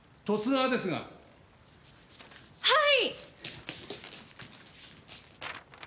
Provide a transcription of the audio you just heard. はい！